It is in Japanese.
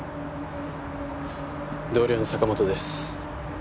同僚の坂本です。